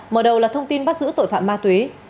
mở đầu là thông tin bắt giữ tội phạm ma túy